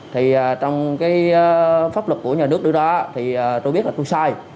trong pháp luật của nhà nước đưa ra tôi biết là tôi sai